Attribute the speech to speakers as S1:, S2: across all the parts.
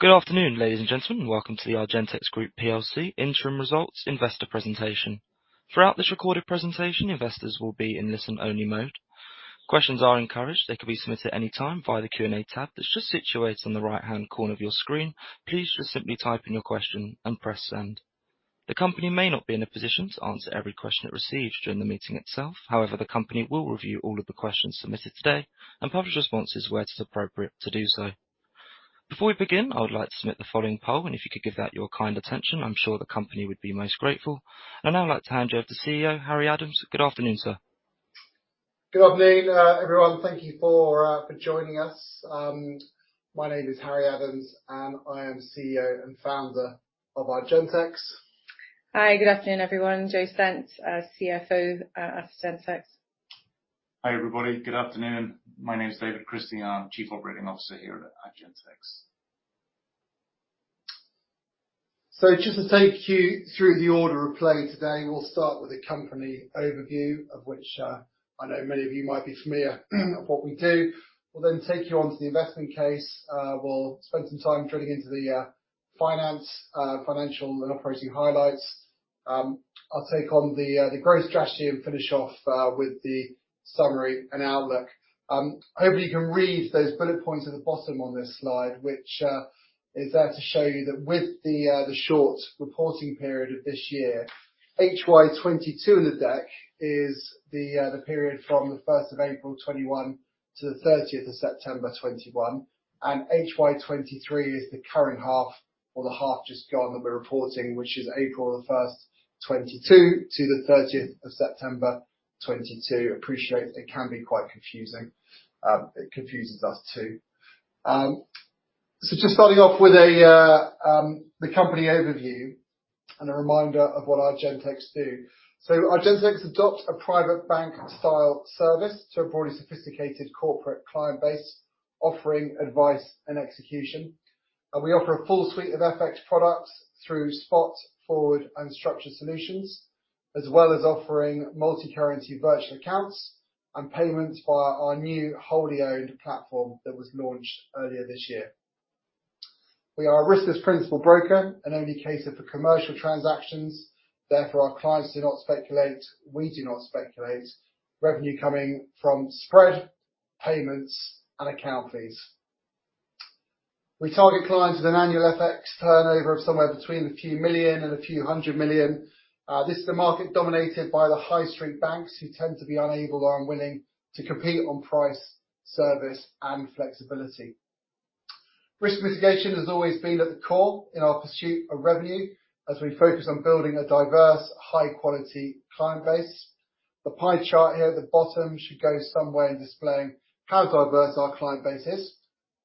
S1: Good afternoon, ladies and gentlemen. Welcome to the Argentex Group PLC interim results investor presentation. Throughout this recorded presentation, investors will be in listen only mode. Questions are encouraged. They can be submitted any time via the Q&A tab that's just situated on the right-hand corner of your screen. Please just simply type in your question and press send. The company may not be in a position to answer every question it receives during the meeting itself. However, the company will review all of the questions submitted today and publish responses where it is appropriate to do so. Before we begin, I would like to submit the following poll, and if you could give that your kind attention, I'm sure the company would be most grateful. I'd now like to hand you over to CEO, Harry Adams. Good afternoon, sir.
S2: Good afternoon, everyone. Thank you for joining us. My name is Harry Adams, and I am CEO and founder of Argentex.
S3: Hi. Good afternoon, everyone. Jo Stent, CFO at Argentex.
S4: Hi, everybody. Good afternoon. My name is David Christie, and I'm Chief Operating Officer here at Argentex.
S2: Just to take you through the order of play today, we'll start with a company overview of which I know many of you might be familiar of what we do. We'll then take you onto the investment case. We'll spend some time drilling into the financial and operating highlights. I'll take on the growth strategy and finish off with the summary and outlook. Hopefully, you can read those bullet points at the bottom on this slide, which is there to show you that with the short reporting period of this year, HY22 in the deck is the period from the 1st of April 2021 to the 30th of September 2021, and HY23 is the current half or the half just gone that we're reporting, which is April 1st 2022 to the 30th of September 2022. Appreciate it can be quite confusing. It confuses us, too. Just starting off with the company overview and a reminder of what Argentex do. Argentex adopts a private bank style service to a broadly sophisticated corporate client base, offering advice and execution. We offer a full suite of FX products through spot, forward, and structured solutions, as well as offering multi-currency virtual accounts and payments via our new wholly owned platform that was launched earlier this year. We are a riskless principal broker and only case it for commercial transactions. Therefore, our clients do not speculate. We do not speculate. Revenue coming from spread, payments, and account fees. We target clients with an annual FX turnover of somewhere between a few million and a few hundred million. This is a market dominated by the high street banks who tend to be unable or unwilling to compete on price, service, and flexibility. Risk mitigation has always been at the core in our pursuit of revenue as we focus on building a diverse, high quality client base. The pie chart here at the bottom should go some way in displaying how diverse our client base is,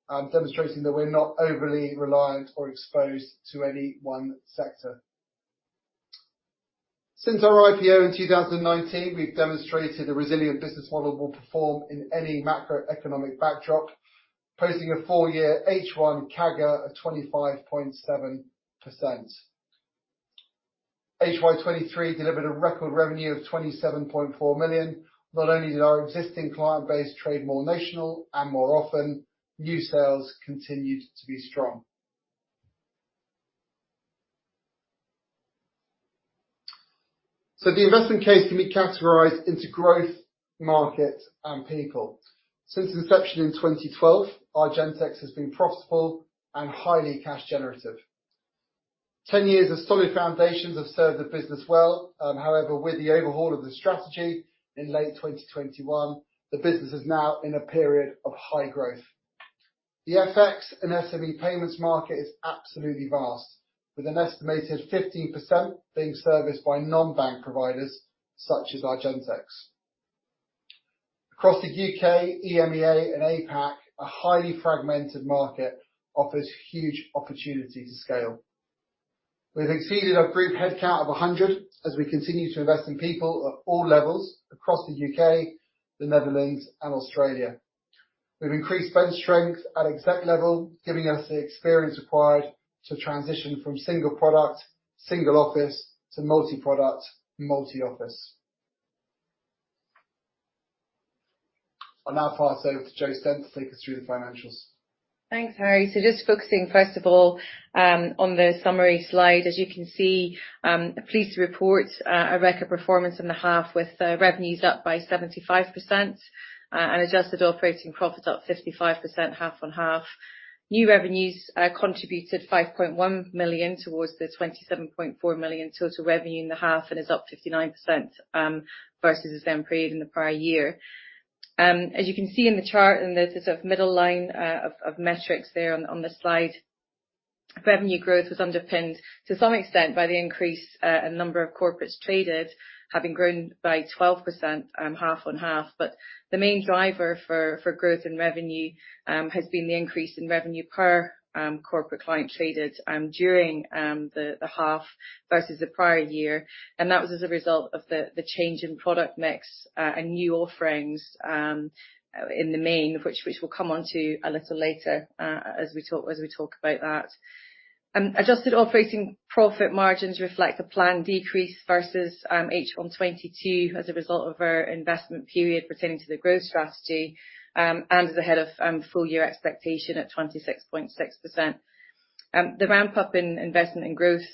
S2: demonstrating that we're not overly reliant or exposed to any one sector. Since our IPO in 2019, we've demonstrated a resilient business model will perform in any macroeconomic backdrop, posing a four-year H1 CAGR of 25.7%. HY23 delivered a record revenue of 27.4 million. Not only did our existing client base trade more notional and more often, new sales continued to be strong. The investment case can be categorized into growth, market, and pinnacle. Since inception in 2012, Argentex has been profitable and highly cash generative. 10 years of solid foundations have served the business well. With the overhaul of the strategy in late 2021, the business is now in a period of high growth. The FX and SME payments market is absolutely vast, with an estimated 15% being serviced by non-bank providers such as Argentex. Across the U.K., EMEA, and APAC, a highly fragmented market offers huge opportunity to scale. We've exceeded our group headcount of 100 as we continue to invest in people at all levels across the U.K., the Netherlands, and Australia. We've increased bench strength at exec level, giving us the experience required to transition from single product, single office, to multi-product, multi-office. I'll now pass over to Jo Stent to take us through the financials.
S3: Thanks, Harry. Just focusing, first of all, on the summary slide. As you can see, pleased to report a record performance in the half with revenues up by 75% and adjusted operating profit up 55% half-on-half. New revenues contributed 5.1 million towards the 27.4 million total revenue in the half and is up 59%, versus the same period in the prior year. As you can see in the chart, there's this middle line of metrics there on the slide. Revenue growth was underpinned to some extent by the increase in number of corporates traded, having grown by 12% half-on-half. The main driver for growth in revenue has been the increase in revenue per corporate client traded during the half versus the prior year. That was as a result of the change in product mix and new offerings, in the main, which we'll come onto a little later as we talk about that. Adjusted operating profit margins reflect a planned decrease versus H1 2022 as a result of our investment period pertaining to the growth strategy, and is ahead of full year expectation at 26.6%. The ramp-up in investment and growth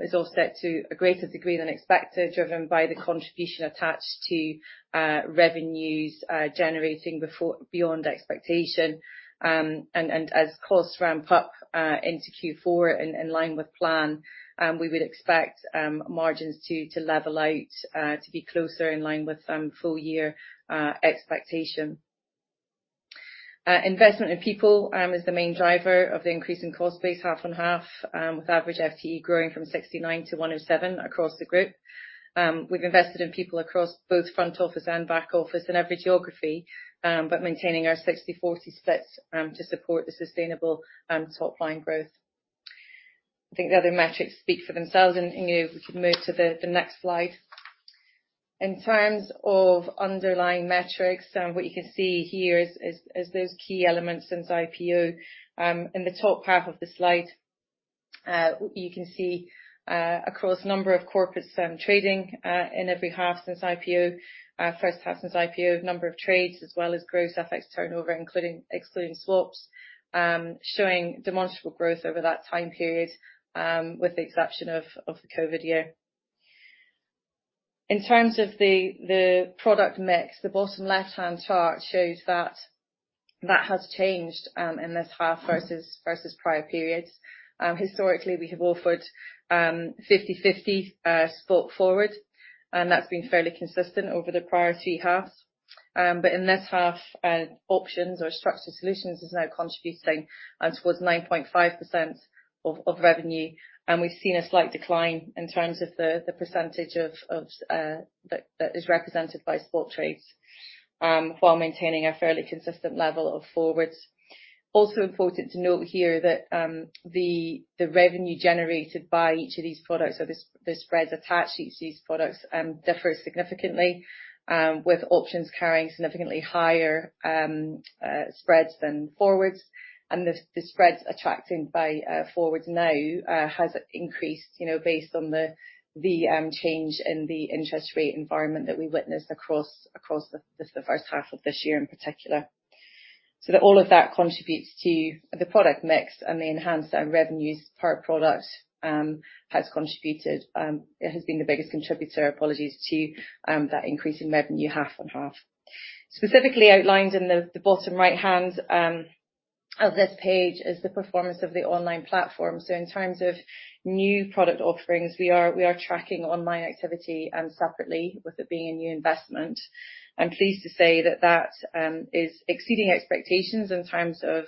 S3: is offset to a greater degree than expected, driven by the contribution attached to revenues generating beyond expectation. As costs ramp up into Q4 in line with plan, we would expect margins to level out to be closer in line with full year expectation. Investment in people is the main driver of the increase in cost base half-on-half, with average FTE growing from 69 to 107 across the group. We've invested in people across both front office and back office in every geography, maintaining our 60/40 split to support the sustainable top-line growth. I think the other metrics speak for themselves, Inge, if we could move to the next slide. In terms of underlying metrics, what you can see here is those key elements since IPO. In the top half of the slide, you can see across a number of corporates trading in every half since IPO. First half since IPO, number of trades as well as gross FX turnover excluding swaps, showing demonstrable growth over that time period, with the exception of the COVID year. In terms of the product mix, the bottom left-hand chart shows that that has changed in this half versus prior periods. Historically, we have offered 50/50 spot forwards, that's been fairly consistent over the prior three halves. In this half, options or structured solutions is now contributing towards 9.5% of revenue. We've seen a slight decline in terms of the percentage that is represented by spot trades, while maintaining a fairly consistent level of forwards. Also important to note here that the revenue generated by each of these products or the spreads attached to each of these products differs significantly, with options carrying significantly higher spreads than forwards. The spreads attracted by forwards now has increased based on the change in the interest rate environment that we witnessed across the first half of this year in particular. All of that contributes to the product mix and the enhanced revenues per product has contributed. It has been the biggest contributor, apologies, to that increase in revenue half-on-half. Specifically outlined in the bottom right-hand of this page is the performance of the online platform. In terms of new product offerings, we are tracking online activity separately with it being a new investment. I am pleased to say that that is exceeding expectations in terms of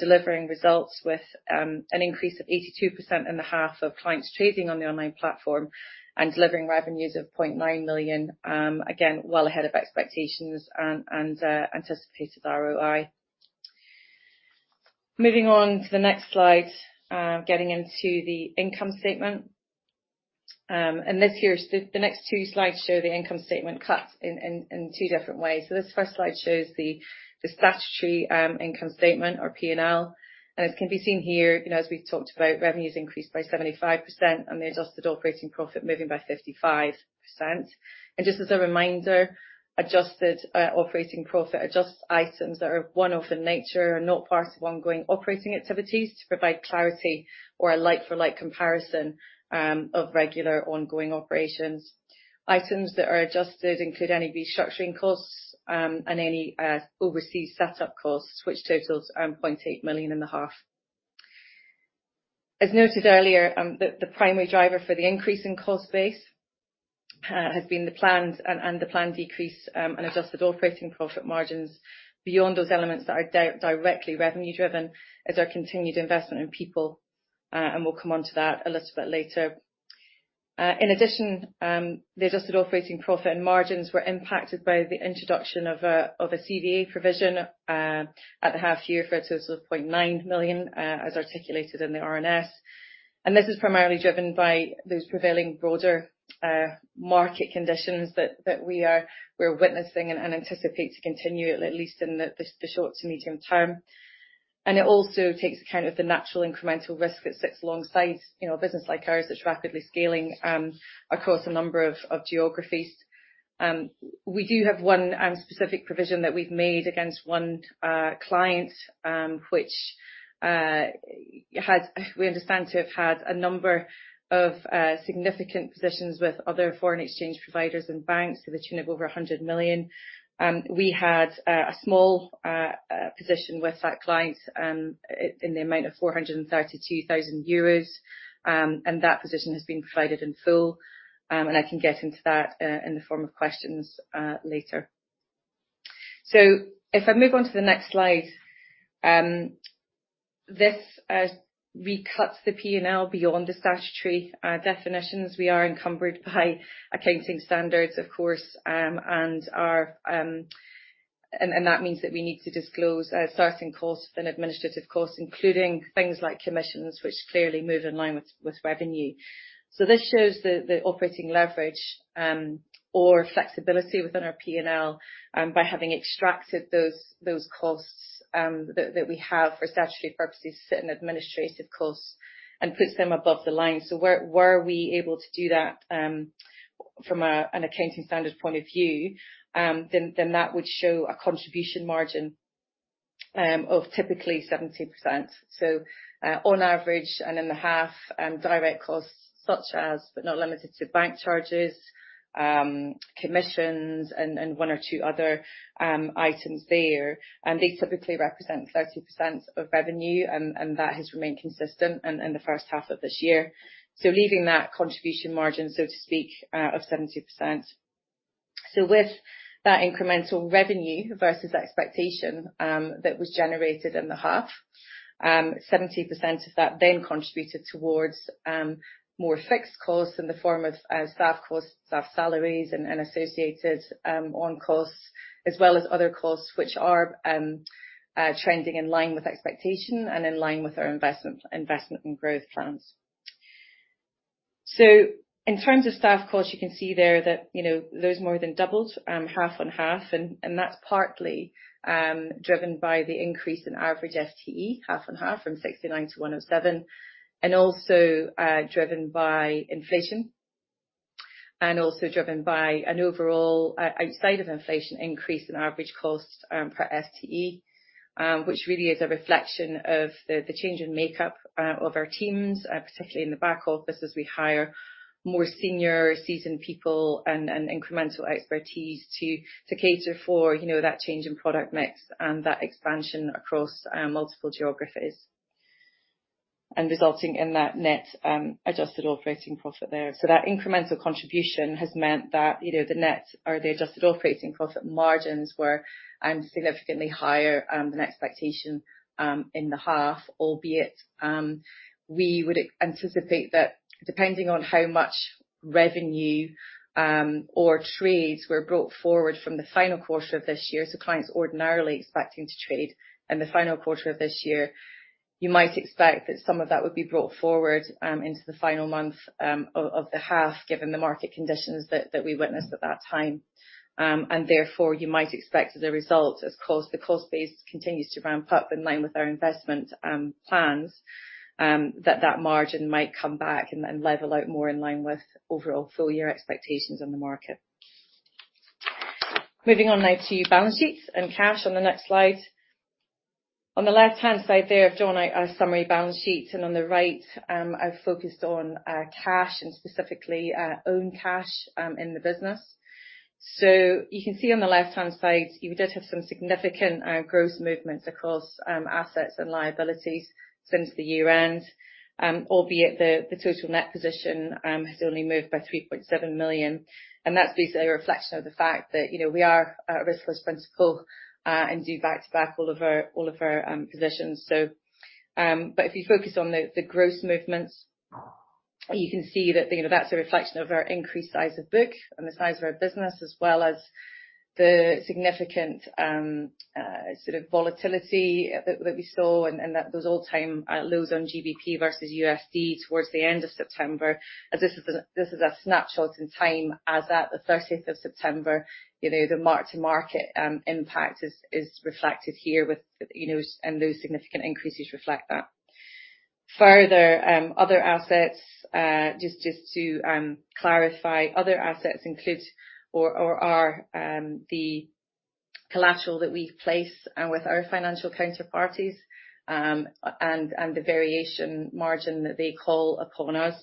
S3: delivering results with an increase of 82% in the half of clients trading on the online platform and delivering revenues of 0.9 million, again, well ahead of expectations and anticipated ROI. Moving on to the next slide, getting into the income statement. The next two slides show the income statement cut in two different ways. This first slide shows the statutory income statement or P&L. As can be seen here, as we have talked about, revenues increased by 75% and the adjusted operating profit moving by 55%. Just as a reminder, adjusted operating profit adjusts items that are one-off in nature and not part of ongoing operating activities to provide clarity or a like-for-like comparison of regular ongoing operations. Items that are adjusted include any restructuring costs and any overseas setup costs, which totals 0.8 million in the half. As noted earlier, the primary driver for the increase in cost base has been the plans and the planned decrease in adjusted operating profit margins beyond those elements that are directly revenue driven as our continued investment in people, and we will come onto that a little bit later. In addition, the adjusted operating profit and margins were impacted by the introduction of a CVA provision at the half year for a total of 0.9 million, as articulated in the RNS. This is primarily driven by those prevailing broader market conditions that we are witnessing and anticipate to continue at least in the short to medium term. It also takes account of the natural incremental risk that sits alongside a business like ours that is rapidly scaling across a number of geographies. We do have one specific provision that we have made against one client which we understand to have had a number of significant positions with other foreign exchange providers and banks to the tune of over 100 million. We had a small position with that client in the amount of 432,000 euros. That position has been provided in full, and I can get into that in the form of questions later. If I move on to the next slide. This recuts the P&L beyond the statutory definitions. We are encumbered by accounting standards, of course, and that means that we need to disclose certain costs and administrative costs, including things like commissions, which clearly move in line with revenue. This shows the operating leverage, or flexibility within our P&L by having extracted those costs that we have for statutory purposes, certain administrative costs, and puts them above the line. Were we able to do that from an accounting standard point of view, then that would show a contribution margin of typically 70%. On average, in the half, direct costs such as, but not limited to, bank charges, commissions, and one or two other items there. They typically represent 30% of revenue, and that has remained consistent in the first half of this year. Leaving that contribution margin, so to speak, of 70%. With that incremental revenue versus expectation that was generated in the half, 70% of that contributed towards more fixed costs in the form of staff costs, staff salaries, and associated on-costs, as well as other costs, which are trending in line with expectation and in line with our investment and growth plans. In terms of staff costs, you can see there that those more than doubled half-on-half, and that's partly driven by the increase in average FTE half-on-half, from 69 to 107, and also driven by inflation, and also driven by an overall, outside of inflation, increase in average cost per FTE, which really is a reflection of the change in makeup of our teams, particularly in the back office, as we hire more senior, seasoned people and incremental expertise to cater for that change in product mix and that expansion across multiple geographies, and resulting in that net adjusted operating profit there. That incremental contribution has meant that either the net or the adjusted operating profit margins were significantly higher than expectation in the half, albeit we would anticipate that depending on how much revenue or trades were brought forward from the final quarter of this year, clients ordinarily expecting to trade in the final quarter of this year. You might expect that some of that would be brought forward into the final month of the half, given the market conditions that we witnessed at that time. Therefore, you might expect as a result, as the cost base continues to ramp up in line with our investment plans, that that margin might come back and level out more in line with overall full-year expectations in the market. Moving on now to balance sheets and cash on the next slide. On the left-hand side there, I've drawn a summary balance sheet, and on the right, I've focused on cash, and specifically own cash in the business. You can see on the left-hand side, we did have some significant gross movements across assets and liabilities since the year end, albeit the total net position has only moved by 3.7 million. That's basically a reflection of the fact that we are a risk-first principal and do back-to-back all of our positions. If you focus on the gross movements, you can see that's a reflection of our increased size of book and the size of our business, as well as the significant sort of volatility that we saw and those all-time lows on GBP versus USD towards the end of September as this is a snapshot in time as at the 30th of September. The mark-to-market impact is reflected here with those significant increases reflect that. Further, other assets, just to clarify, other assets include or are the collateral that we place with our financial counterparties, and the variation margin that they call upon us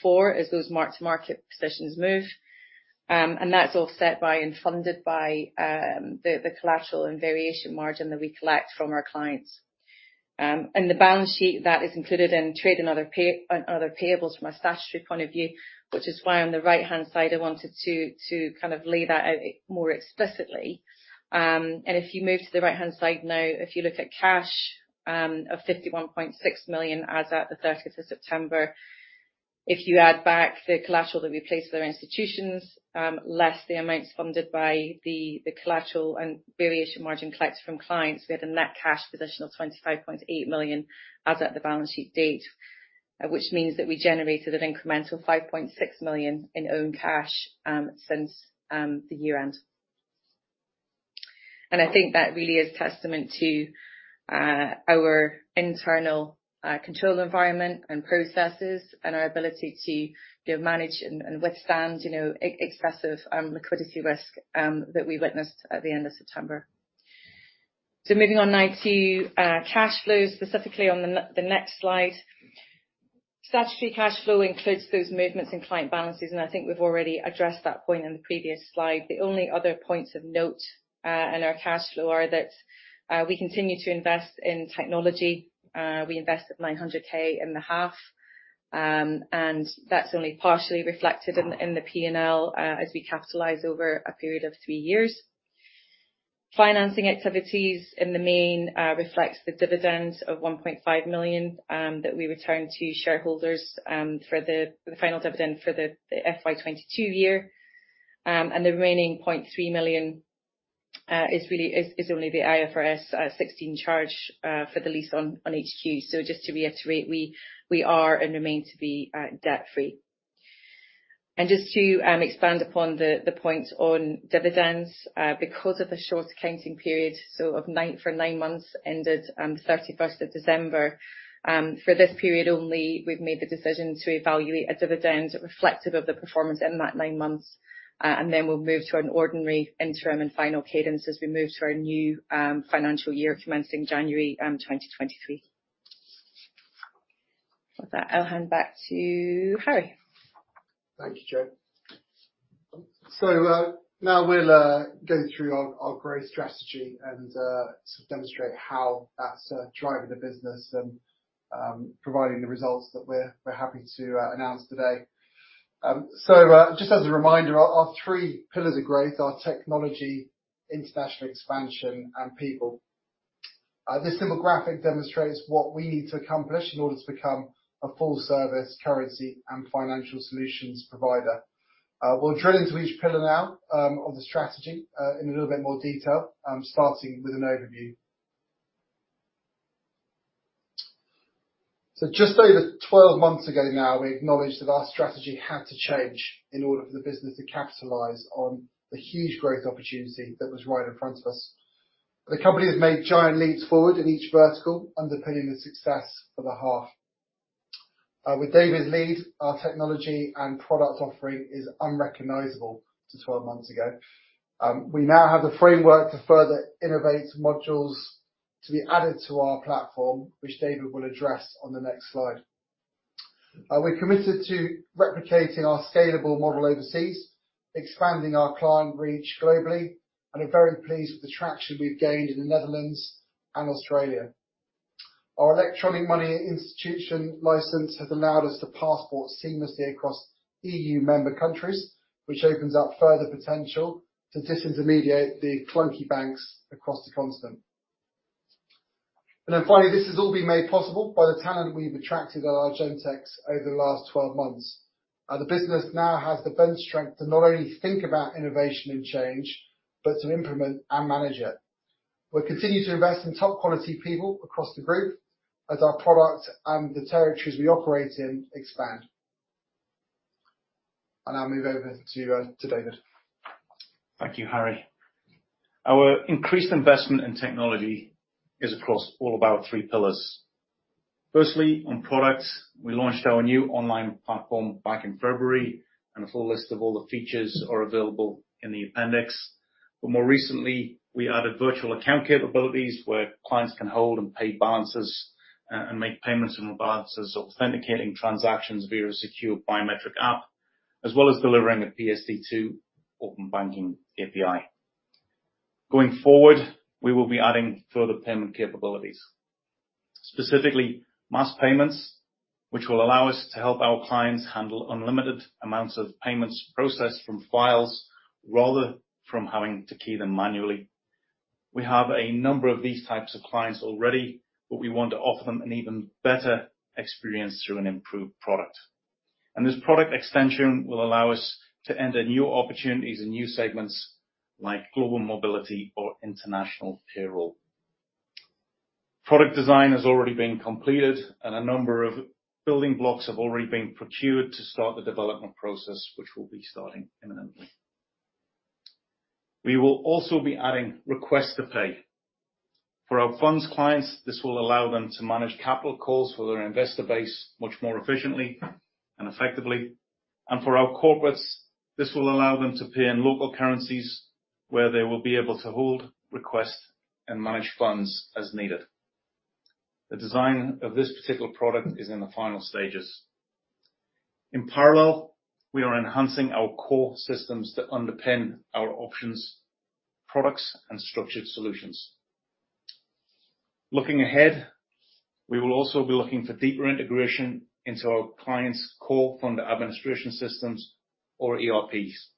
S3: for as those mark-to-market positions move. That's all set by and funded by the collateral and variation margin that we collect from our clients. In the balance sheet, that is included in trade and other payables from a statutory point of view, which is why on the right-hand side, I wanted to kind of lay that out more explicitly. If you move to the right-hand side now, if you look at cash of 51.6 million as at the 30th of September. If you add back the collateral that we placed with our institutions, less the amounts funded by the collateral and variation margin collected from clients, we had a net cash position of 25.8 million as at the balance sheet date. Which means that we generated an incremental 5.6 million in own cash since the year end. I think that really is testament to our internal control environment and processes and our ability to manage and withstand excessive liquidity risk that we witnessed at the end of September. Moving on now to cash flows, specifically on the next slide. Statutory cash flow includes those movements in client balances, I think we've already addressed that point in the previous slide. The only other points of note in our cash flow are that we continue to invest in technology. We invested 900,000 in the half, that's only partially reflected in the P&L as we capitalize over a period of three years. Financing activities in the main reflects the dividends of 1.5 million that we returned to shareholders for the final dividend for the FY 2022 year. The remaining 0.3 million is only the IFRS 16 charge for the lease on HQ. Just to reiterate, we are and remain to be debt-free. Just to expand upon the point on dividends, because of the short accounting period, for nine months, ended 31st of December. For this period only, we've made the decision to evaluate a dividend reflective of the performance in that nine months, then we'll move to an ordinary interim and final cadence as we move to our new financial year commencing January 2023. With that, I'll hand back to Harry.
S2: Thank you, Jo. Now we'll go through our growth strategy and demonstrate how that's driving the business and providing the results that we're happy to announce today. Just as a reminder, our three pillars of growth are technology, international expansion and people. This simple graphic demonstrates what we need to accomplish in order to become a full service currency and financial solutions provider. We'll drill into each pillar now of the strategy in a little bit more detail, starting with an overview. Just over 12 months ago now, we acknowledged that our strategy had to change in order for the business to capitalize on the huge growth opportunity that was right in front of us. The company has made giant leaps forward in each vertical, underpinning the success of the half. With David's lead, our technology and product offering is unrecognizable to 12 months ago. We now have the framework to further innovate modules to be added to our platform, which David will address on the next slide. We're committed to replicating our scalable model overseas, expanding our client reach globally, and are very pleased with the traction we've gained in the Netherlands and Australia. Our electronic money institution license has allowed us to passport seamlessly across EU member countries, which opens up further potential to disintermediate the clunky banks across the continent. Finally, this has all been made possible by the talent we've attracted at Argentex over the last 12 months. The business now has the bench strength to not only think about innovation and change, but to implement and manage it. We'll continue to invest in top quality people across the group as our product and the territories we operate in expand. I'll now move over to David.
S4: Thank you, Harry. Our increased investment in technology is across all of our three pillars. Firstly, on products, we launched our new online platform back in February. A full list of all the features are available in the appendix. More recently, we added virtual account capabilities where clients can hold and pay balances and make payments from balances, authenticating transactions via a secure biometric app, as well as delivering a PSD2 open banking API. Going forward, we will be adding further payment capabilities. Specifically, mass payments, which will allow us to help our clients handle unlimited amounts of payments processed from files rather from having to key them manually. We have a number of these types of clients already, but we want to offer them an even better experience through an improved product. This product extension will allow us to enter new opportunities and new segments like global mobility or international payroll. Product design has already been completed. A number of building blocks have already been procured to start the development process, which will be starting imminently. We will also be adding request to pay. For our funds clients, this will allow them to manage capital calls for their investor base much more efficiently and effectively. For our corporates, this will allow them to pay in local currencies where they will be able to hold, request and manage funds as needed. The design of this particular product is in the final stages. In parallel, we are enhancing our core systems that underpin our options products and structured solutions. Looking ahead, we will also be looking for deeper integration into our clients' core fund administration systems or ERPs.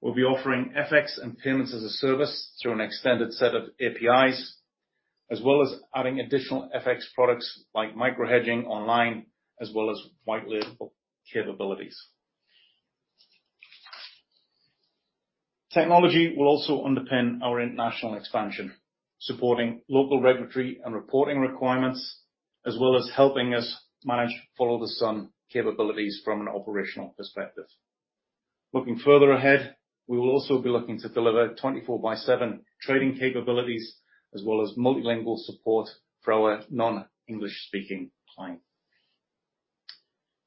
S4: We'll be offering FX and payments as a service through an extended set of APIs, as well as adding additional FX products like micro-hedging online as well as white label capabilities. Technology will also underpin our international expansion, supporting local regulatory and reporting requirements, as well as helping us manage follow the sun capabilities from an operational perspective. Looking further ahead, we will also be looking to deliver 24 by seven trading capabilities as well as multilingual support for our non-English speaking clients.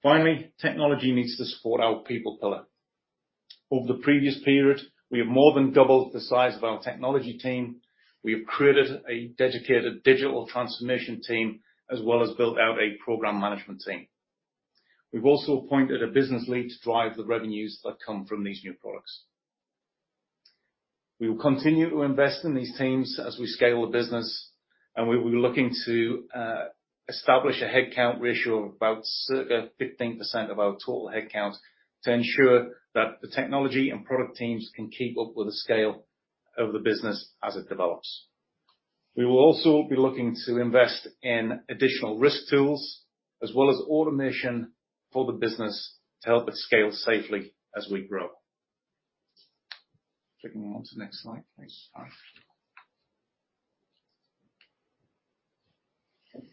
S4: Finally, technology needs to support our people pillar. Over the previous period, we have more than doubled the size of our technology team. We have created a dedicated digital transformation team, as well as built out a program management team. We've also appointed a business lead to drive the revenues that come from these new products. We will continue to invest in these teams as we scale the business, we will be looking to establish a headcount ratio of about circa 15% of our total headcount to ensure that the technology and product teams can keep up with the scale of the business as it develops. We will also be looking to invest in additional risk tools as well as automation for the business to help it scale safely as we grow. Clicking on to the next slide, please, Harry.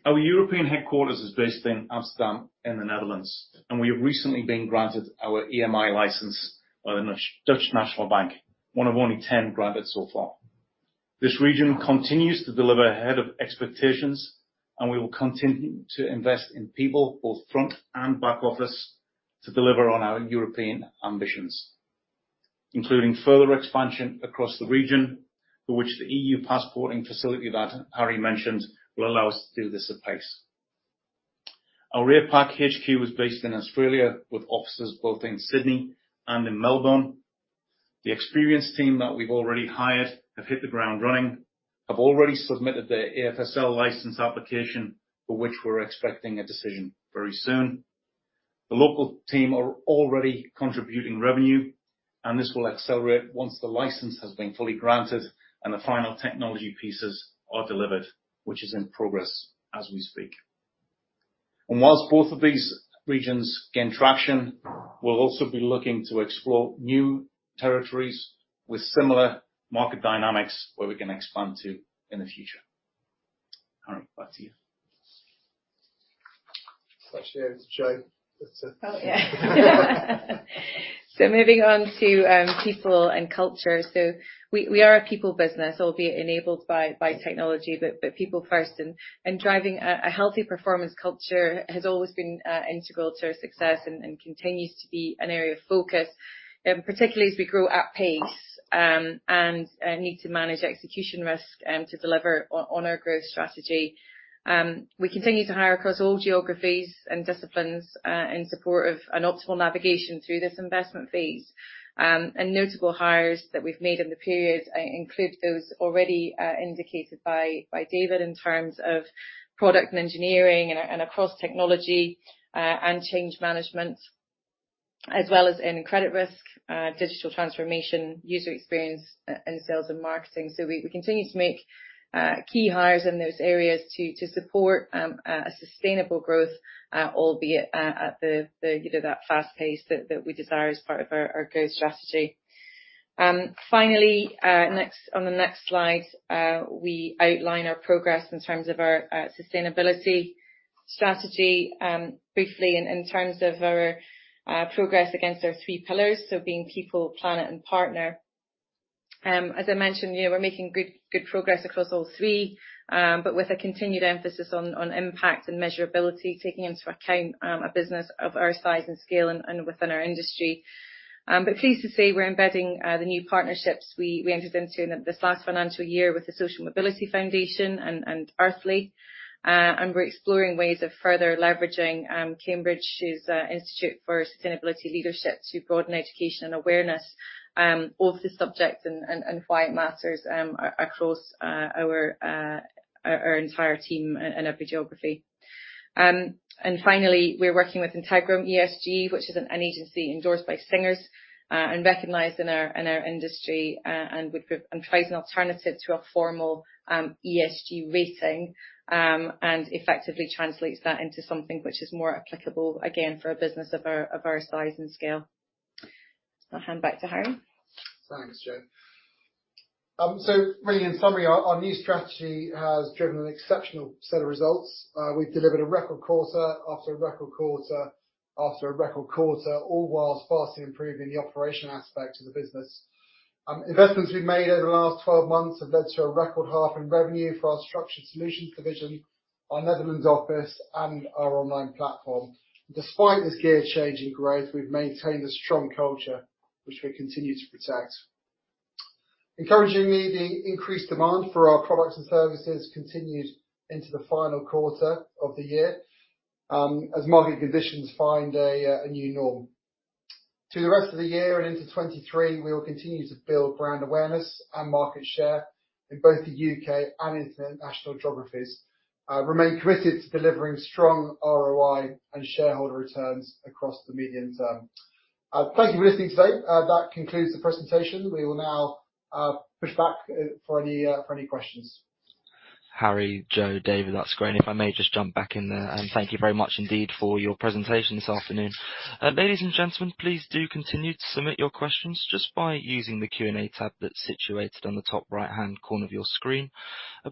S4: Our European headquarters is based in Amsterdam, in the Netherlands, and we have recently been granted our EMI license by the De Nederlandsche Bank, one of only 10 granted so far. This region continues to deliver ahead of expectations, we will continue to invest in people, both front and back office, to deliver on our European ambitions, including further expansion across the region, for which the EU passporting facility that Harry mentioned will allow us to do this at pace. Our APAC HQ is based in Australia, with offices both in Sydney and in Melbourne. The experienced team that we've already hired have hit the ground running, have already submitted their AFSL license application, for which we're expecting a decision very soon. The local team are already contributing revenue, and this will accelerate once the license has been fully granted and the final technology pieces are delivered, which is in progress as we speak. Whilst both of these regions gain traction, we'll also be looking to explore new territories with similar market dynamics where we can expand to in the future. Harry, back to you.
S2: Actually, it's Jo.
S3: Moving on to people and culture. We are a people business, albeit enabled by technology, but people first. Driving a healthy performance culture has always been integral to our success and continues to be an area of focus, particularly as we grow at pace and need to manage execution risk to deliver on our growth strategy. We continue to hire across all geographies and disciplines in support of an optimal navigation through this investment phase. Notable hires that we've made in the period include those already indicated by David in terms of product and engineering and across technology and change management, as well as in credit risk, digital transformation, user experience, and sales and marketing. We continue to make key hires in those areas to support a sustainable growth, albeit at that fast pace that we desire as part of our growth strategy. Finally, on the next slide, we outline our progress in terms of our sustainability strategy. Briefly, in terms of our progress against our three pillars, people, planet, and partner. As I mentioned, we're making good progress across all three, but with a continued emphasis on impact and measurability, taking into account a business of our size and scale and within our industry. Pleased to say we're embedding the new partnerships we entered into in this last financial year with the Social Mobility Foundation and Earthly. We're exploring ways of further leveraging Cambridge's Institute for Sustainability Leadership to broaden education and awareness, both the subject and why it matters, across our entire team and every geography. Finally, we're working with Integrum ESG, which is an agency endorsed by Singers and recognized in our industry, and provides an alternative to a formal ESG rating, and effectively translates that into something which is more applicable, again, for a business of our size and scale. I'll hand back to Harry.
S2: Thanks, Jo. Really in summary, our new strategy has driven an exceptional set of results. We've delivered a record quarter after a record quarter after a record quarter, all whilst vastly improving the operational aspect of the business. Investments we've made over the last 12 months have led to a record half in revenue for our structured solutions division, our Netherlands office, and our online platform. Despite this gear change in growth, we've maintained a strong culture, which we continue to protect. Encouragingly, the increased demand for our products and services continued into the final quarter of the year, as market conditions find a new norm. Through the rest of the year and into 2023, we will continue to build brand awareness and market share in both the U.K. and international geographies, remain committed to delivering strong ROI and shareholder returns across the medium term. Thank you for listening today. That concludes the presentation. We will now push back for any questions.
S1: Harry, Jo, David, that's great. If I may just jump back in there and thank you very much indeed for your presentation this afternoon. Ladies and gentlemen, please do continue to submit your questions just by using the Q&A tab that's situated on the top right-hand corner of your screen.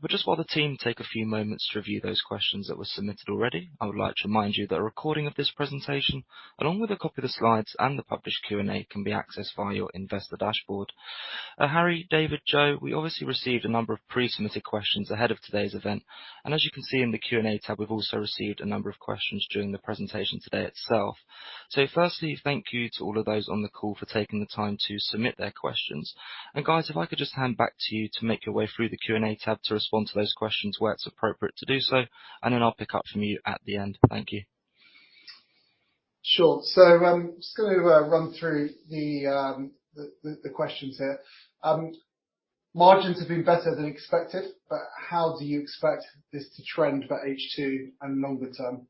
S1: Just while the team take a few moments to review those questions that were submitted already, I would like to remind you that a recording of this presentation, along with a copy of the slides and the published Q&A, can be accessed via your investor dashboard. Harry, David, Jo, we obviously received a number of pre-submitted questions ahead of today's event. As you can see in the Q&A tab, we've also received a number of questions during the presentation today itself. Firstly, thank you to all of those on the call for taking the time to submit their questions. Guys, if I could just hand back to you to make your way through the Q&A tab to respond to those questions where it's appropriate to do so, then I'll pick up from you at the end. Thank you.
S2: Sure. Just going to run through the questions here. Margins have been better than expected, how do you expect this to trend for H2 and longer term?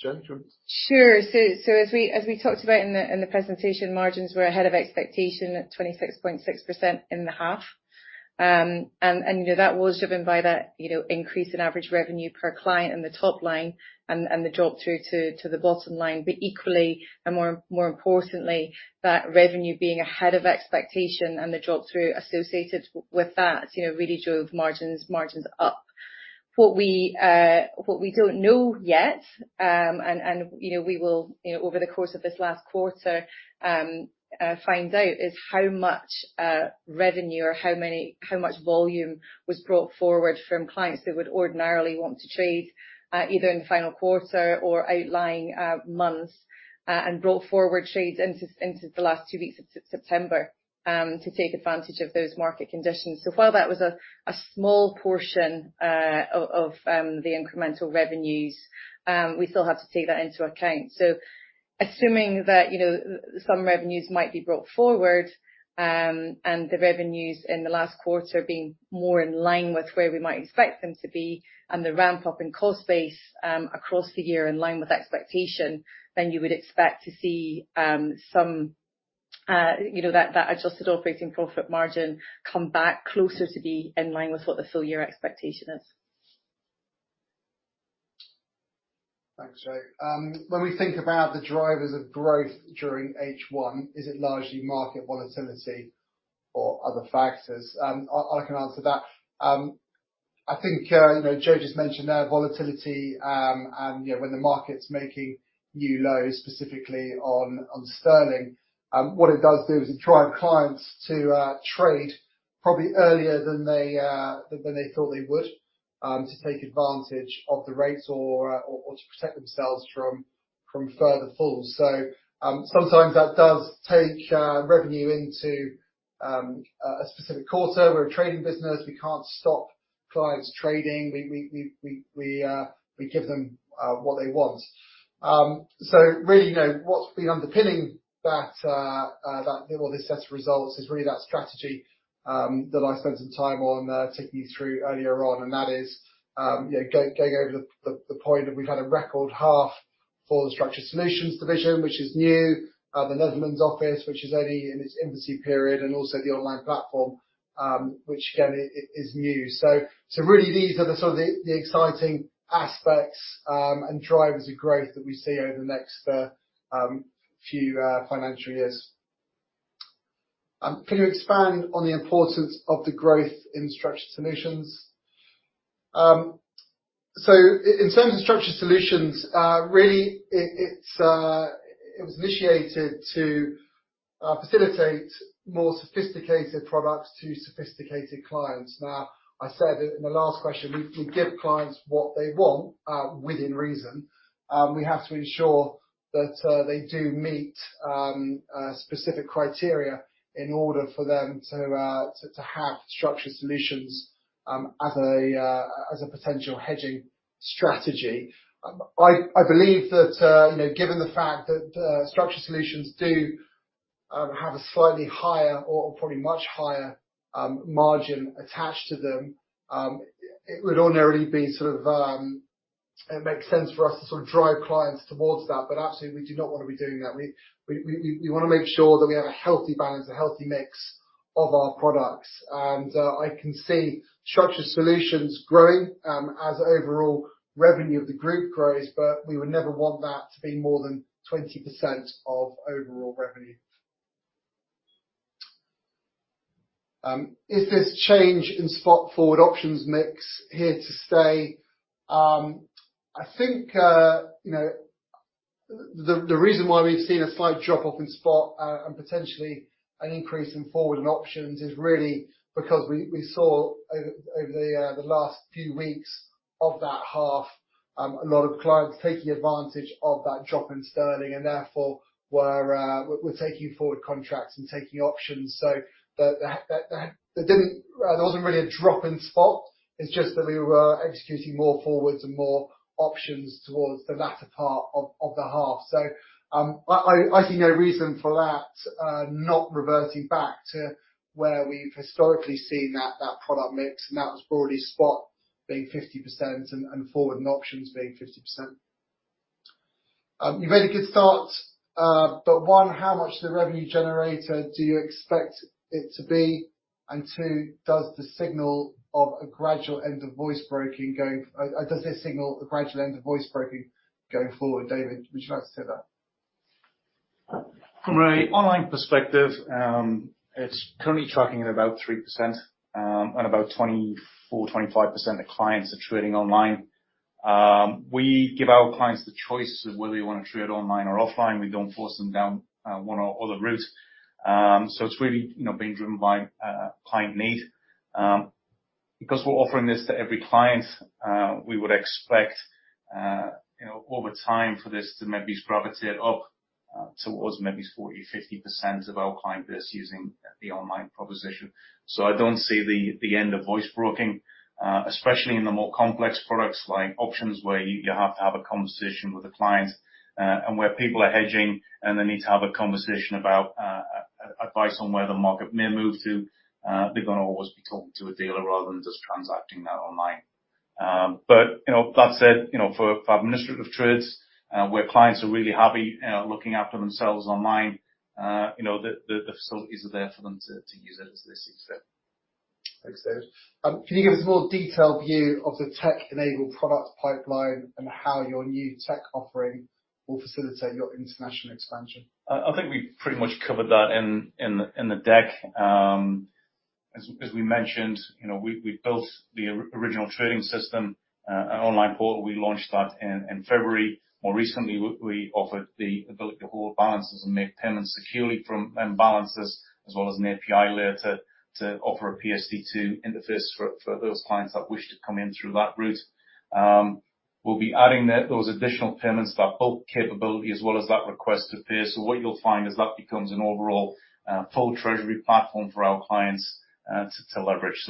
S2: Jo, do you want to-
S3: Sure. As we talked about in the presentation margins, we're ahead of expectation at 26.6% in the half. That was driven by that increase in average revenue per client in the top line and the drop through to the bottom line. Equally, and more importantly, that revenue being ahead of expectation and the drop through associated with that really drove margins up. What we don't know yet, and we will over the course of this last quarter, find out is how much revenue or how much volume was brought forward from clients who would ordinarily want to trade, either in the final quarter or outlying months, and brought forward trades into the last two weeks of September, to take advantage of those market conditions. While that was a small portion of the incremental revenues, we still have to take that into account. Assuming that some revenues might be brought forward, and the revenues in the last quarter being more in line with where we might expect them to be and the ramp up in cost base across the year in line with expectation, you would expect to see that adjusted operating profit margin come back closer to be in line with what the full year expectation is.
S2: Thanks, Jo. When we think about the drivers of growth during H1, is it largely market volatility or other factors? I can answer that. I think Jo just mentioned there, volatility, and when the market's making new lows, specifically on GBP, what it does do is it drive clients to trade probably earlier than they thought they would, to take advantage of the rates or to protect themselves from further falls. Sometimes that does take revenue into a specific quarter. We're a trading business, we can't stop clients trading. We give them what they want. Really, what's been underpinning this set of results is really that strategy that I spent some time on taking you through earlier on, and that is going over the point that we've had a record half for the structured solutions division, which is new. The Netherlands office, which is only in its infancy period, and also the online platform, which again, is new. Really these are the sort of the exciting aspects, and drivers of growth that we see over the next few financial years. Can you expand on the importance of the growth in structured solutions? In terms of structured solutions, really it was initiated to facilitate more sophisticated products to sophisticated clients. Now, I said it in the last question, we give clients what they want, within reason. We have to ensure that they do meet specific criteria in order for them to have structured solutions as a potential hedging strategy. I believe that given the fact that structured solutions do have a slightly higher or probably much higher margin attached to them, it would ordinarily make sense for us to drive clients towards that, but absolutely we do not want to be doing that. We want to make sure that we have a healthy balance, a healthy mix of our products. I can see structured solutions growing as overall revenue of the group grows, but we would never want that to be more than 20% of overall revenue. Is this change in spot forward options mix here to stay? I think the reason why we've seen a slight drop-off in spot and potentially an increase in forward and options is really because we saw over the last few weeks of that half a lot of clients taking advantage of that drop in sterling and therefore were taking forward contracts and taking options. There wasn't really a drop in spot, it's just that we were executing more forwards and more options towards the latter part of the half. I see no reason for that not reverting back to where we've historically seen that product mix, and that was broadly spot being 50% and forward and options being 50%. You made a good start. One, how much the revenue generator do you expect it to be? Two, does this signal a gradual end of voice broking going forward? David, would you like to take that?
S4: From an online perspective, it's currently tracking at about 3%, and about 24%, 25% of clients are trading online. We give our clients the choice of whether you want to trade online or offline. We don't force them down one or other route. It's really being driven by client need. Because we're offering this to every client, we would expect, over time for this to maybe gravitate up towards maybe 40%, 50% of our client base using the online proposition. I don't see the end of voice broking, especially in the more complex products like options, where you have to have a conversation with a client and where people are hedging and they need to have a conversation about advice on where the market may move to, they're going to always be talking to a dealer rather than just transacting that online. That said, for administrative trades where clients are really happy looking after themselves online, the facilities are there for them to use it as they see fit.
S2: Thanks, David. Can you give us a more detailed view of the tech-enabled product pipeline and how your new tech offering will facilitate your international expansion?
S4: I think we pretty much covered that in the deck. As we mentioned, we built the original trading system, an online portal. We launched that in February. More recently, we offered the ability to hold balances and make payments securely from balances as well as an API layer to offer a PSD2 interface for those clients that wish to come in through that route. We'll be adding those additional payments, that bulk capability as well as that request to pay. What you'll find is that becomes an overall full treasury platform for our clients to leverage.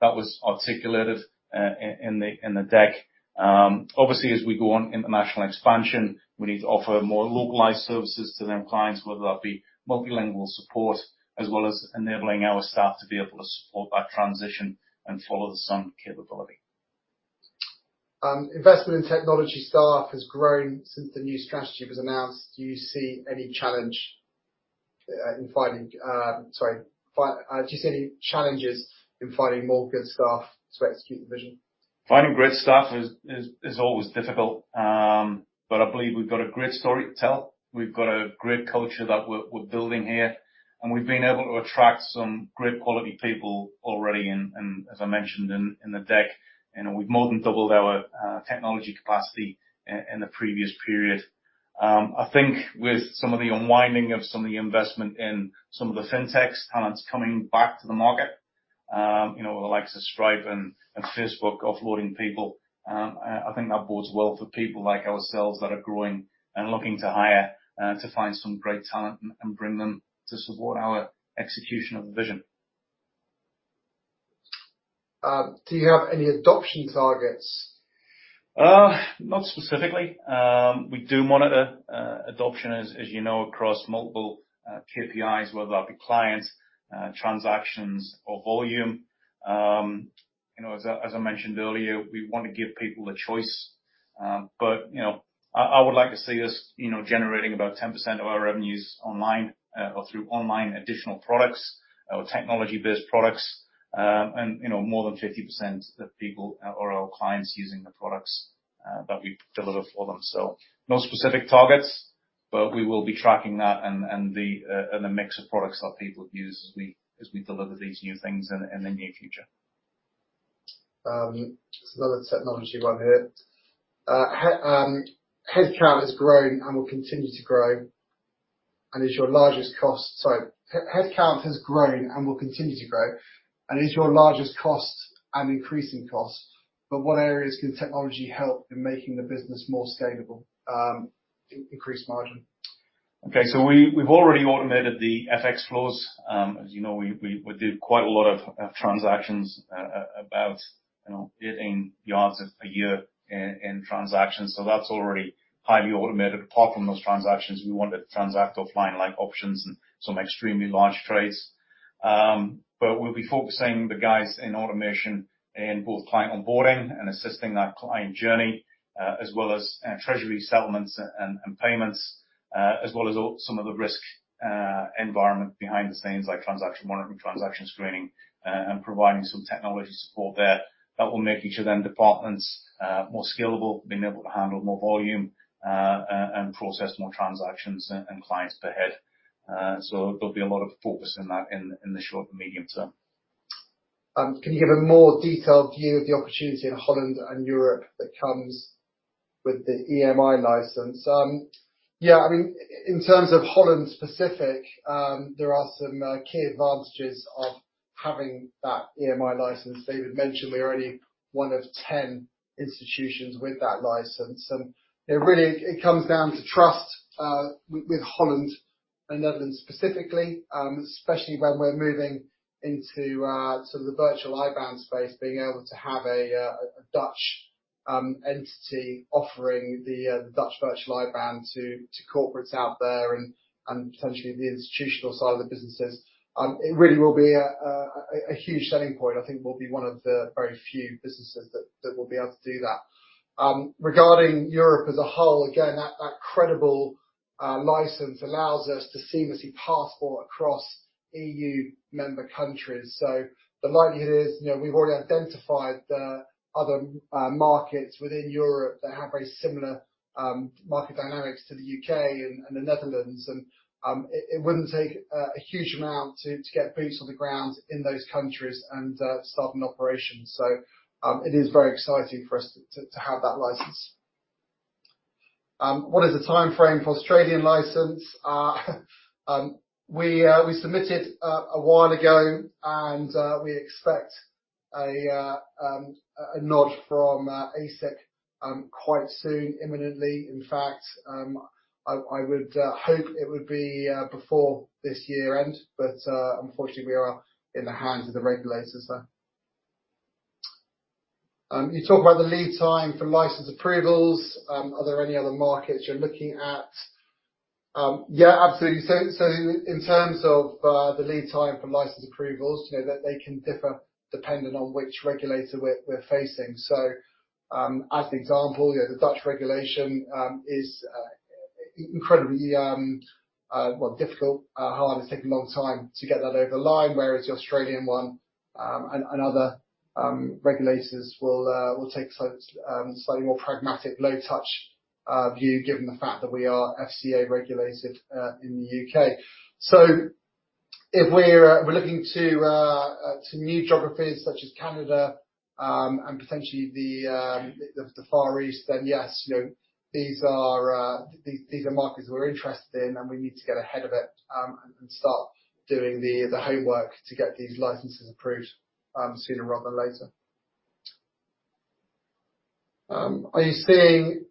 S4: That was articulated in the deck. Obviously, as we go on international expansion, we need to offer more localized services to them clients, whether that be multilingual support as well as enabling our staff to be able to support that transition and follow the sun capability.
S2: Investment in technology staff has grown since the new strategy was announced. Do you see any challenges in finding more good staff to execute the vision?
S4: Finding great staff is always difficult, but I believe we've got a great story to tell. We've got a great culture that we're building here, and we've been able to attract some great quality people already. As I mentioned in the deck, we've more than doubled our technology capacity in the previous period. I think with some of the unwinding of some of the fintechs, talent's coming back to the market, with the likes of Stripe and Facebook offloading people. I think that bodes well for people like ourselves that are growing and looking to hire to find some great talent and bring them to support our execution of the vision.
S2: Do you have any adoption targets?
S4: Not specifically. We do monitor adoption, as you know, across multiple KPIs, whether that be clients, transactions or volume. As I mentioned earlier, we want to give people the choice. I would like to see us generating about 10% of our revenues online or through online additional products or technology-based products, and more than 50% of people or our clients using the products that we deliver for them. No specific targets, but we will be tracking that and the mix of products that people use as we deliver these new things in the near future.
S2: It's another technology one here. Headcount has grown and will continue to grow and is your largest cost and increasing cost, what areas can technology help in making the business more scalable to increase margin?
S4: Okay. We've already automated the FX flows. As you know, we did quite a lot of transactions, about 18 billion a year in transactions, that's already highly automated. Apart from those transactions, we wanted to transact offline like options and some extremely large trades. We'll be focusing the guys in automation in both client onboarding and assisting that client journey, as well as treasury settlements and payments, as well as some of the risk environment behind the scenes like transaction monitoring, transaction screening, and providing some technology support there. That will make each of them departments more scalable, being able to handle more volume, and process more transactions and clients per head. There'll be a lot of focus in that in the short and medium term.
S2: Can you give a more detailed view of the opportunity in Holland and Europe that comes with the EMI license? Yeah, in terms of Holland specific, there are some key advantages of having that EMI license. David mentioned we're only one of 10 institutions with that license. It comes down to trust with Holland and Netherlands specifically, especially when we're moving into the virtual IBAN space, being able to have a Dutch entity offering the Dutch virtual IBAN to corporates out there and potentially the institutional side of the businesses. It really will be a huge selling point. I think we'll be one of the very few businesses that will be able to do that. Regarding Europe as a whole, again, that credible license allows us to seamlessly passport across EU member countries. The likelihood is we've already identified the other markets within Europe that have very similar market dynamics to the U.K. and the Netherlands. It wouldn't take a huge amount to get boots on the ground in those countries and start an operation. It is very exciting for us to have that license. What is the timeframe for Australian license? We submitted a while ago and we expect a nod from ASIC quite soon, imminently. In fact, I would hope it would be before this year end, unfortunately, we are in the hands of the regulators there. You talk about the lead time for license approvals. Are there any other markets you're looking at? Yeah, absolutely. In terms of the lead time for license approvals, they can differ depending on which regulator we're facing. As an example, the Dutch regulation is incredibly difficult, hard. It's taken a long time to get that over the line, whereas the Australian one, other regulators will take a slightly more pragmatic low-touch view, given the fact that we are FCA-regulated in the U.K. If we're looking to new geographies such as Canada, and potentially the Far East, yes, these are markets we're interested in, we need to get ahead of it, and start doing the homework to get these licenses approved sooner rather than later. Are you seeing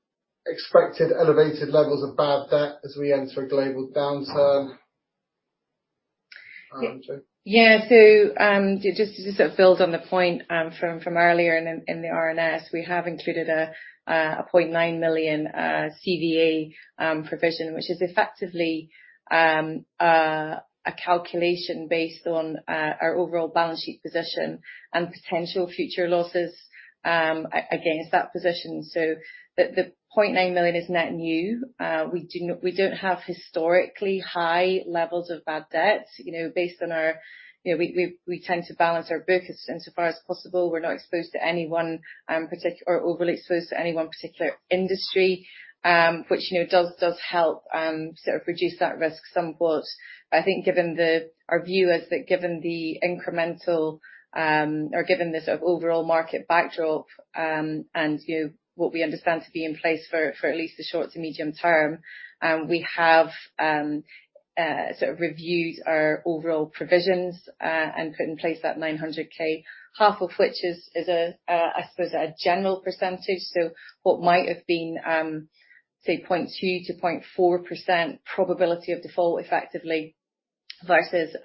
S2: expected elevated levels of bad debt as we enter a global downturn? Jo?
S3: Yeah. Just to build on the point from earlier in the RNS, we have included a 0.9 million CVA provision, which is effectively a calculation based on our overall balance sheet position and potential future losses against that position. The 0.9 million is net new. We don't have historically high levels of bad debt. We tend to balance our book insofar as possible. We're not overly exposed to any one particular industry, which does help reduce that risk somewhat. I think, given our view, is that given the incremental or given the sort of overall market backdrop, and what we understand to be in place for at least the short to medium term, we have reviewed our overall provisions, and put in place that 900K, half of which is, I suppose, a general percentage. What might have been, say, 0.2%-0.4% probability of default effectively versus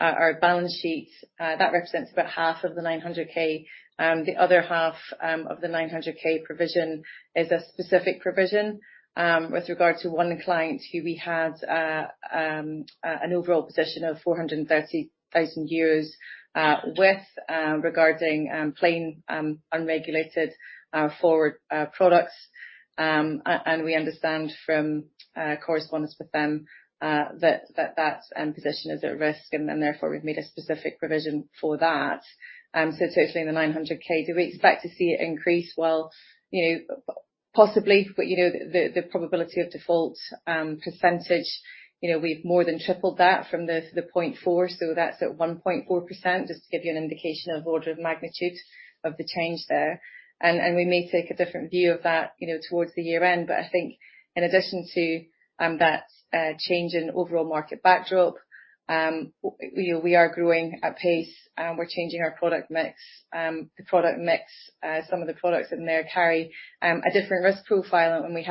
S3: our balance sheet. That represents about half of the 900,000. The other half of the 900,000 provision is a specific provision with regard to one client who we had an overall position of 430,000 euros with regarding plain, unregulated forward products. We understand from correspondence with them that that position is at risk, therefore, we've made a specific provision for that. Certainly the 900,000. Do we expect to see it increase? Well, possibly. The probability of default percentage, we've more than tripled that from the 0.4%, so that's at 1.4%, just to give you an indication of order of magnitude of the change there. We may take a different view of that towards the year-end. I think in addition to that change in overall market backdrop, we are growing at pace. We're changing our product mix. The product mix, some of the products in there carry a different risk profile, we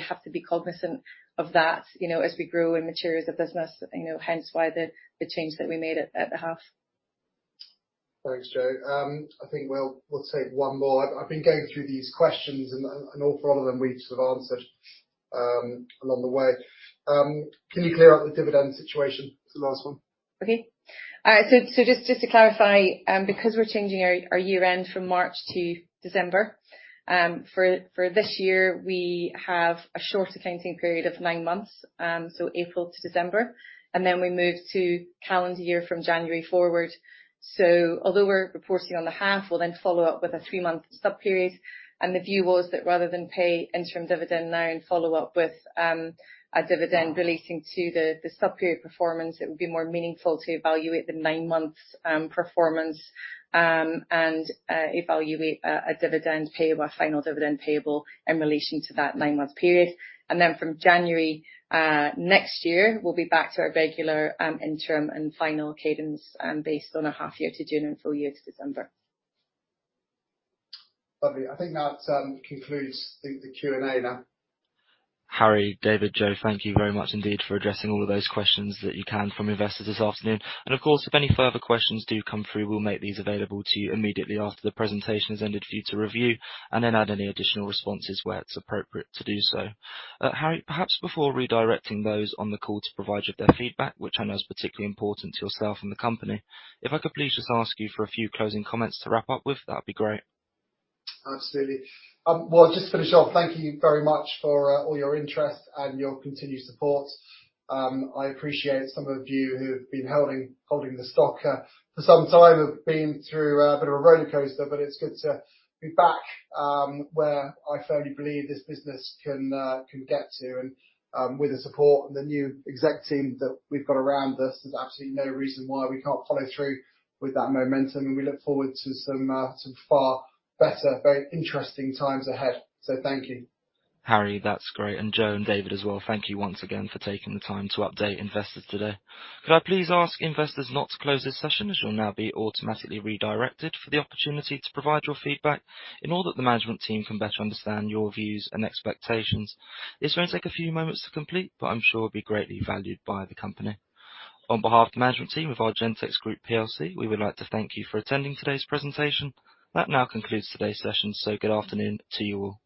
S3: have to be cognizant of that as we grow and mature as a business. Hence why the change that we made at the half.
S2: Thanks, Jo. I think we'll take one more. I've been going through these questions, all four of them we've sort of answered along the way. Can you clear up the dividend situation? It's the last one.
S3: Okay. Just to clarify, because we're changing our year-end from March to December, for this year, we have a short accounting period of nine months, April to December. We move to calendar year from January forward. Although we're reporting on the half, we'll follow up with a three-month sub-period. The view was that rather than pay interim dividend now and follow up with a dividend relating to the sub-period performance, it would be more meaningful to evaluate the nine months performance, evaluate a dividend payable, a final dividend payable in relation to that nine-month period. From January next year, we'll be back to our regular interim and final cadence based on a half year to June and full year to December.
S2: Lovely. I think that concludes the Q&A now.
S1: Harry, David, Jo, thank you very much indeed for addressing all of those questions that you can from investors this afternoon. Of course, if any further questions do come through, we'll make these available to you immediately after the presentation has ended for you to review, and then add any additional responses where it's appropriate to do so. Harry, perhaps before redirecting those on the call to provide you with their feedback, which I know is particularly important to yourself and the company, if I could please just ask you for a few closing comments to wrap up with, that'd be great.
S2: Absolutely. Well, just to finish off, thank you very much for all your interest and your continued support. I appreciate some of you who have been holding the stock for some time have been through a bit of a rollercoaster, but it's good to be back where I firmly believe this business can get to. With the support and the new exec team that we've got around us, there's absolutely no reason why we can't follow through with that momentum. We look forward to some far better, very interesting times ahead. Thank you.
S1: Harry, that's great. Jo and David as well, thank you once again for taking the time to update investors today. Could I please ask investors not to close this session, as you'll now be automatically redirected for the opportunity to provide your feedback in order that the management team can better understand your views and expectations. This may take a few moments to complete, but I'm sure it'll be greatly valued by the company. On behalf of the management team of Argentex Group PLC, we would like to thank you for attending today's presentation. That now concludes today's session. Good afternoon to you all.